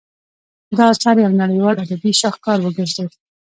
دا اثر یو نړیوال ادبي شاهکار وګرځید.